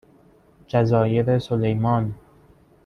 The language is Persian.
جزایرسلیمان